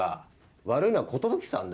悪いのは寿さんだ。